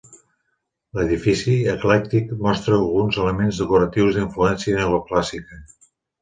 L'edifici, eclèctic, mostra alguns elements decoratius d'influència neoclàssica.